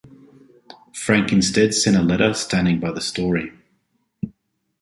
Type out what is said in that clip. Frank instead sent a letter standing by the story.